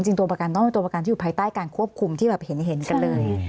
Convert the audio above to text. ตัวประกันต้องเป็นตัวประกันที่อยู่ภายใต้การควบคุมที่แบบเห็นกันเลย